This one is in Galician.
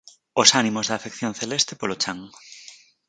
Os ánimos da afección celeste polo chan.